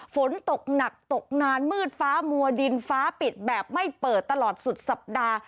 ฝนตกหนักตกนานมืดฟ้ามัวดินฟ้าปิดแบบไม่เปิดตลอดสุดสัปดาห์